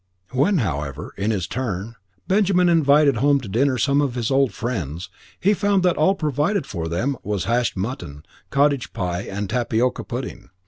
When, however, in his turn, Benjamin invited home to dinner some of his old friends, he found that all provided for them was hashed mutton, cottage pie, and tapioca pudding.